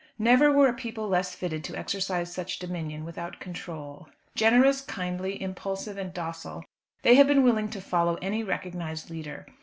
Never were a people less fitted to exercise such dominion without control. Generous, kindly, impulsive, and docile, they have been willing to follow any recognised leader.